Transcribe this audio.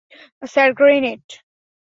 Sir, grenade.